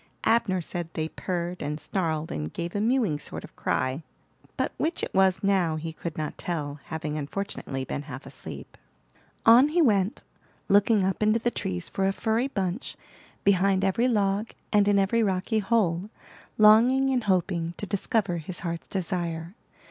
Abner said they purred and snarled and gave a mewing sort of cry; but which it was now he could not tell, having unfortunately been half asleep. On he went, looking up into the trees for a furry bunch, behind every log, and in every rocky hole, longing and hoping to discover his heart's desire.